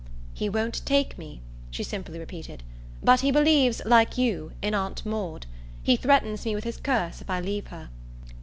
"He won't take me," she simply repeated. "But he believes, like you, in Aunt Maud. He threatens me with his curse if I leave her."